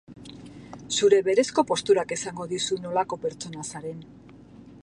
Zure berezko posturak esango dizu nolako pertsona zaren.